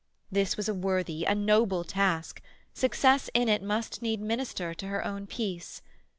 This was a worthy, a noble task; success in it must need minister to her own peace.